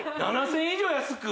７０００円以上安く？